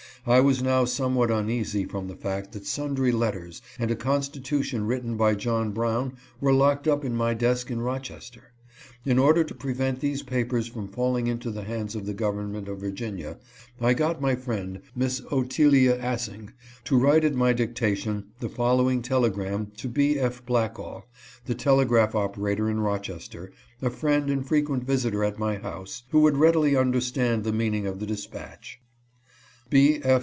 I was now somewhat uneasy from the fact that sundry let ters and a constitution written by John Brown were locked up in my desk in Rochester. In order to prevent these papers from falling into the hands' of the government 378 HE GOES TO CANADA. of Virginia, I got my friend, Miss Ottilia Assing, to write at my dictation the following telegram to B. F. Blackall, the telegraph operator in Rochester, a friend and frequent visitor at my house, who would readily understand the meaning of the dispatch : "B. F.